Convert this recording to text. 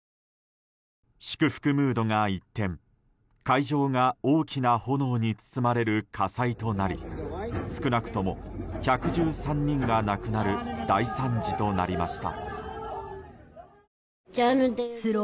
祝福ムードが一転、会場が大きな炎に包まれる火災となり少なくとも１１３人が亡くなる大惨事となりました。